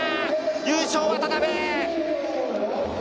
優勝、渡辺！